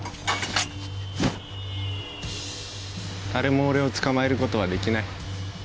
誰も俺を捕まえる事はできない。